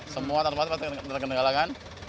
semua terkendala kan